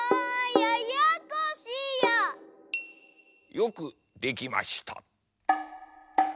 よくできました。